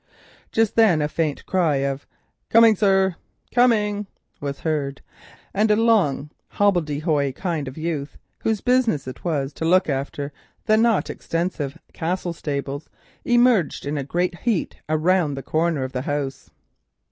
Just then a faint cry of "Coming, sir, coming," was heard, and a long hobble de hoy kind of youth, whose business it was to look after the not extensive Castle stables, emerged in a great heat from round the corner of the house.